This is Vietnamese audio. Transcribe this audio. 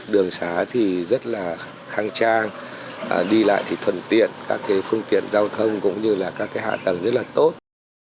đường xá rất khăng trang đi lại thuần tiện các phương tiện giao thông cũng như các hạ tầng rất tốt